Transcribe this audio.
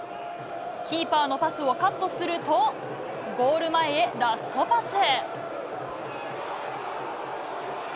キーパーのパスをカットすると、ゴール前へラストパス。